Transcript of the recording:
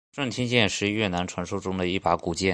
顺天剑是越南传说中的一把古剑。